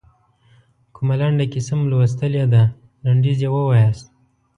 کومه لنډه کیسه مو لوستلې ده لنډیز یې ووایاست.